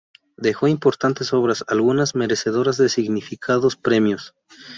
Dejó importantes obras, algunas merecedoras de significados premios.